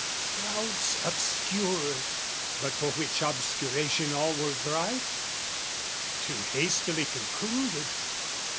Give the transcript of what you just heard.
Clouds obscure But for which obscuration all were bright? Too hastily concluded!